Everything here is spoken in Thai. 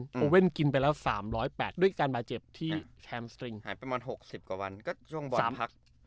อืมโอเว่นกินไปแล้วสามร้อยแปดด้วยการมาเจ็บที่แฮมสตริงหายไปประมาณหกสิบกว่าวันก็ช่วงบอลพัก